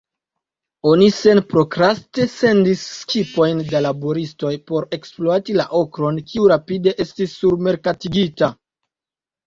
Oni senprokraste sendis skipojn da laboristoj por ekspluati la okron, kiu rapide estis surmerkatigita.